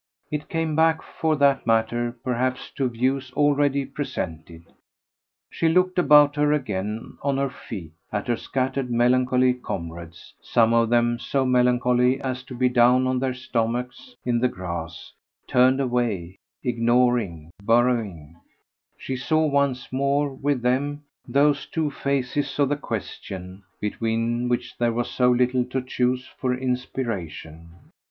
It came back for that matter perhaps to views already presented. She looked about her again, on her feet, at her scattered melancholy comrades some of them so melancholy as to be down on their stomachs in the grass, turned away, ignoring, burrowing; she saw once more, with them, those two faces of the question between which there was so little to choose for inspiration.